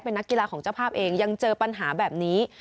เป็นนักกีฬาของเจ้าภาพเองยังเจอปัญหาแบบนี้